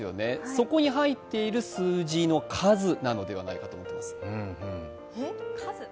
そこに入っている数字の数なのではないかと思います。